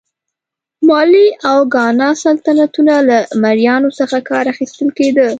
مالي او ګانا سلطنتونه له مریانو څخه کار اخیستل کېده.